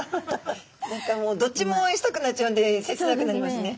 何かもうどっちもおうえんしたくなっちゃうんで切なくなりますね。